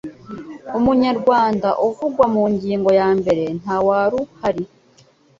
umunyarwanda uvugwa mu ngingo ya mbere ntawa ru hari